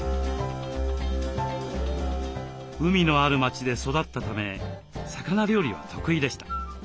海のある町で育ったため魚料理は得意でした。